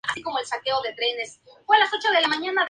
Dos singles fueron lanzados de ese álbum, Heartbreak Blvd.